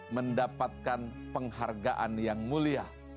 mendapatkan penghargaan yang mulia